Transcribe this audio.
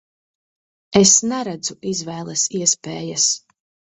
Es neredzu izvēles iespējas.